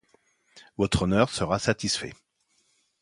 Votre Honneur sera satisfait.